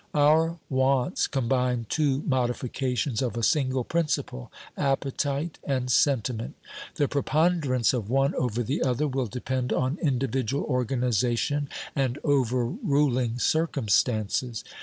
Our wants combine two modifications of a single principle, appetite and sentiment ; the preponderance of one over the other will depend on individual organisation and overruling circumstances.